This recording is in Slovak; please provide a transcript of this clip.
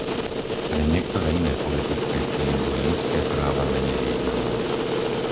Pre niektoré iné politické sily boli ľudské práva menej významné.